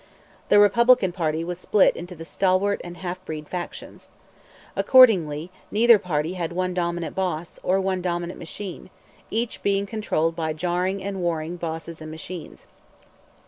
The Republican party was split into the Stalwart and Half Breed factions. Accordingly neither party had one dominant boss, or one dominant machine, each being controlled by jarring and warring bosses and machines.